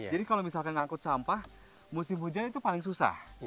jadi kalau misalkan mengangkut sampah musim hujan itu paling susah